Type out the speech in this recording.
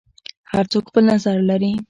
هر څوک خپل نظر لري.